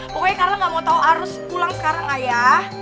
pokoknya karla gak mau tau harus pulang sekarang ayah